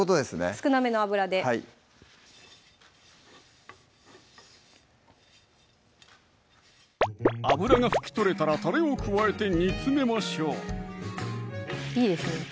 少なめの油ではい油が拭き取れたらたれを加えて煮詰めましょういいですね